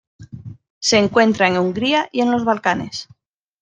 Se encuentra en Hungría y en los Balcanes.